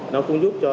nó cũng giúp cho